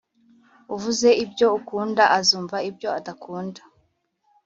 uvuze ibyo akunda, azumva ibyo adakunda.